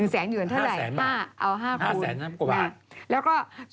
๑แสนหยวนเท่าไร๕คูณแล้วก็๕แสนกว่าบาท